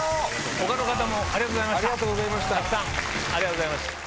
他の方もありがとうございました。